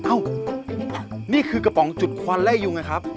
เอ้านี่คือกระป๋องจุดควันไล่ยุงนะครับ